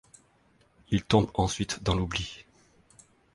Il tombe ensuite dans l'oubli.